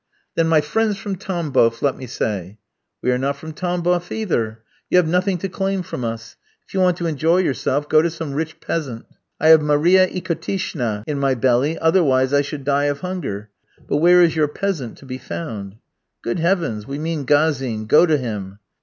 "Then my friends from Tambof, let me say?" "We are not from Tambof either. You have nothing to claim from us; if you want to enjoy yourself go to some rich peasant." "I have Maria Ikotishna [from "ikot," hiccough] in my belly, otherwise I should die of hunger. But where is your peasant to be found?" "Good heavens! we mean Gazin; go to him."